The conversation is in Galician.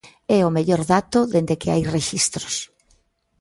É o mellor dato dende que hai rexistros.